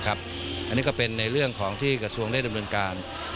อันนี้ก็เป็นในเรื่องของที่กระทรวงได้ดำเนินการ